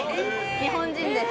日本人です。